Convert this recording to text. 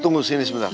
tunggu sini sebentar